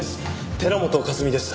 寺本香澄です。